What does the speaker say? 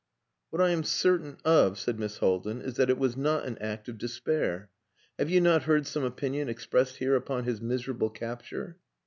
"What I am certain of," said Miss Haldin, "is that it was not an act of despair. Have you not heard some opinion expressed here upon his miserable capture?"